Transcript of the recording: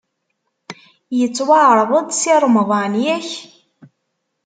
Ittwaɛreḍ-d Si Remḍan, yak?